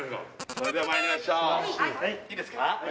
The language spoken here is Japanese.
それではまいりましょういいですか？